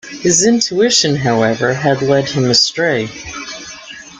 His intuition, however, had led him astray.